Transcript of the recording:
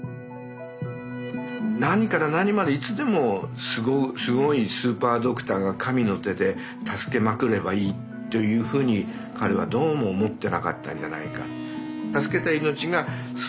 何から何までいつでもすごいスーパードクターが神の手で助けまくればいいというふうに彼はどうも思ってなかったんじゃないか。